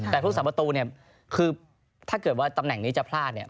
แต่ทุก๓ประตูเนี่ยคือถ้าเกิดว่าตำแหน่งนี้จะพลาดเนี่ย